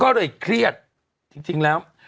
ก็เลยเครียดจริงแล้ว